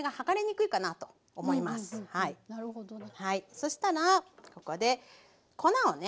そしたらここで粉をね。